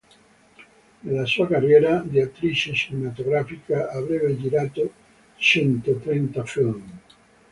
Nella sua carriera di attrice cinematografica, avrebbe girato centotrenta film.